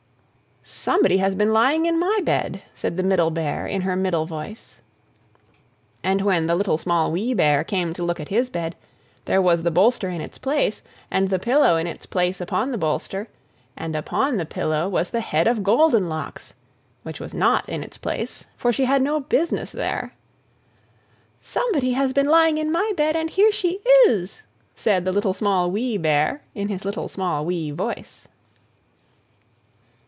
"SOMEBODY HAS BEEN LYING IN MY BED!" said the Middle Bear, in her middle voice. And when the Little, Small, Wee Bear came to look at his bed, there was the bolster in its place; and the pillow in its place upon the bolster; and upon the pillow was the head of Goldenlocks which was not in its place, for she had no business there. "SOMEBODY HAS BEEN LYING IN MY BED AND HERE SHE IS!" said the Little, Small, Wee Bear, in his little, small, wee voice.